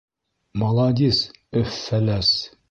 Маладис, Өф-Фәләс!